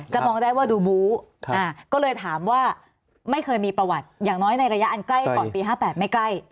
มองได้ว่าดูบู๊ก็เลยถามว่าไม่เคยมีประวัติอย่างน้อยในระยะอันใกล้ก่อนปี๕๘ไม่ใกล้